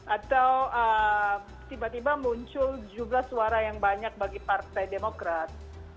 atau tiba tiba muncul jumlah suara yang banyak bagi partai demokrat